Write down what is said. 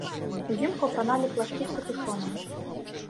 Узімку апраналі плашчы з капюшонам.